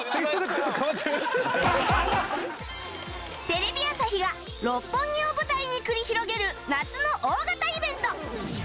テレビ朝日が六本木を舞台に繰り広げる夏の大型イベント